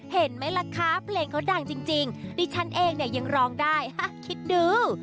เห็นไหมล่ะคะเพลงเขาดังจริงดิฉันเองเนี่ยยังร้องได้ฮะคิดดู